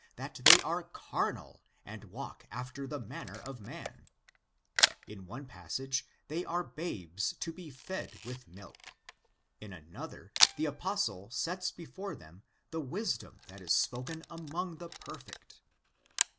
8, that they are carnal and walk after the manner of man (σαρκικοί ἐστε καὶ κατὰ ἄνθρωπον περιπατεῖτε) )ῦ In one passage they are babes to be fed with milk; in another the Apostle sets before them the wisdom that is spoken among the perfect.